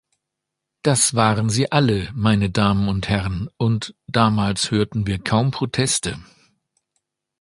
Das waren Sie alle, meine Damen und Herren, und damals hörten wir kaum Proteste!